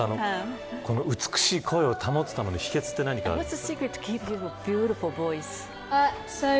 美しい声を保つための秘訣は何かあるんですか。